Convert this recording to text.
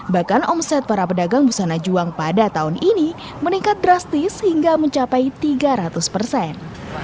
bahkan omset para pedagang busana juang pada tahun ini meningkat drastis hingga mencapai tiga ratus persen